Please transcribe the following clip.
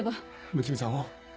睦美さんを。